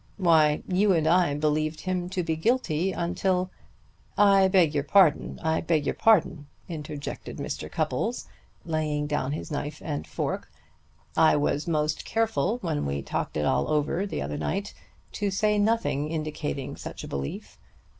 Why, you and I believed him to be guilty until " "I beg your pardon! I beg your pardon!" interjected Mr. Cupples, laying down his knife and fork. "I was most careful, when we talked it all over the other night, to say nothing indicating such a belief.